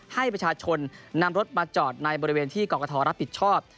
ให้ประชาชนนำรถมาจอดในบริเวณที่กรกฐรับผิดชอบ